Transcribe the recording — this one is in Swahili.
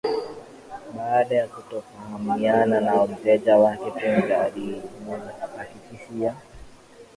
Baada ya kutofahamiana na mteja wake Punja alimuhakikishia